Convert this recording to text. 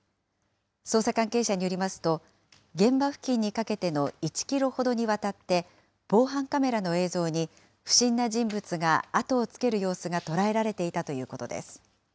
捜査関係者によりますと、現場付近にかけての１キロほどにわたって、防犯カメラの映像に不審な人物が後を付ける様子が捉えられていたということです。